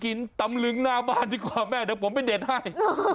ตำลึงหน้าบ้านดีกว่าแม่เดี๋ยวผมไปเด็ดให้